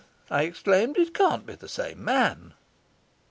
I exclaimed. "It can't be the same man."